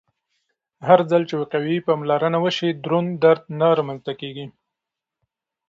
هرځل چې وقایوي پاملرنه وشي، دروند درد نه رامنځته کېږي.